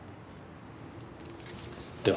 では。